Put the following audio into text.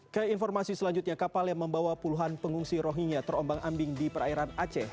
ke informasi selanjutnya kapal yang membawa puluhan pengungsi rohingya terombang ambing di perairan aceh